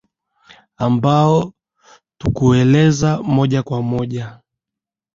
ambao tukueleza moja kwa moja